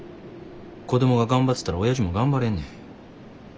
子供が頑張ってたらおやじも頑張れんねん。